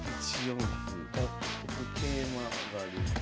桂馬上がります。